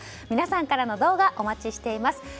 皆さんからの動画お待ちしています。